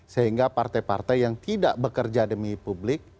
sehingga partai partai yang tidak bekerja demi publik